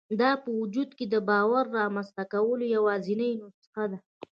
دا په وجود کې د باور رامنځته کولو یوازېنۍ نسخه ده